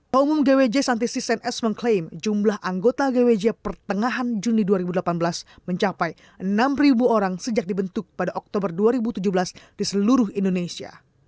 paumum gwj santisis ns mengklaim jumlah anggota gwj pertengahan juni dua ribu delapan belas mencapai enam orang sejak dibentuk pada oktober dua ribu tujuh belas di seluruh indonesia